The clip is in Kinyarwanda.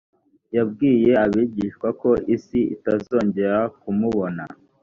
yabwiye abigishwa ko isi itazongera kumubona